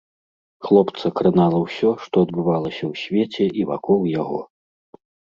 Хлопца кранала ўсё, што адбывалася ў свеце і вакол яго.